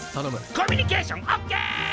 コミュニケーションオッケー！